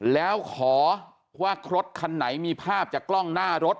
แล้วขอว่ารถคันไหนมีภาพจากกล้องหน้ารถ